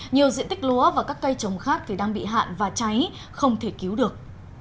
nhiều diện tích lúa và các cây trồng khác đang bị hạn và cháy không thể cứu được